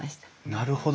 なるほど。